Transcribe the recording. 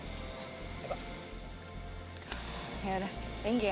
yaudah thank you ya